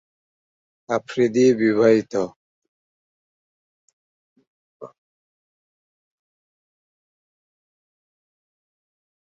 আফ্রিদি বিবাহিত।